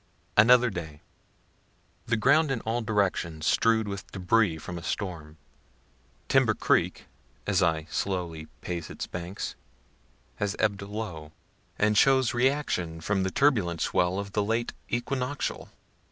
Another Day. The ground in all directions strew'd with débris from a storm. Timber creek, as I slowly pace its banks, has ebb'd low, and shows reaction from the turbulent swell of the late equinoctial.